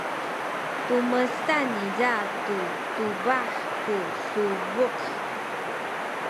tumesan niza tu tubah ku subuk.